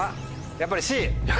やっぱりＣ。